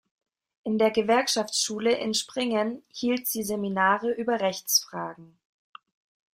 In der Gewerkschaftsschule in Springen hielt sie Seminare über Rechtsfragen.